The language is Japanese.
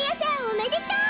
おめでとう！